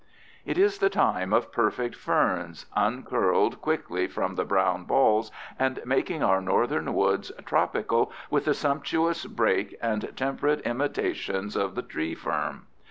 It is the time of perfect ferns, uncurled quickly from the brown balls, and making our Northern woods tropical with the sumptuous brake and temperate imitations of the tree fern.